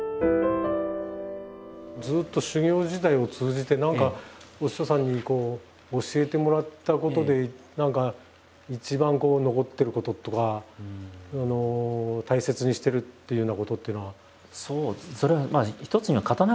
ずっと修業時代を通じて何かお師匠さんに教えてもらったことで何か一番残ってることとか大切にしてるっていうようなことっていうのは。